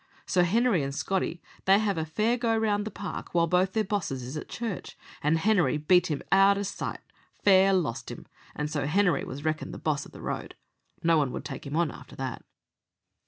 So Henery and Scotty they have a fair go round the park while both their bosses is at church, and Henery beat him out o' sight fair lost him and so Henery was reckoned the boss of the road. No one would take him on after that."